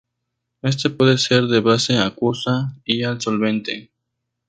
Este puede ser de base acuosa o al solvente.